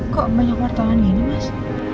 kok banyak wartawan gini mas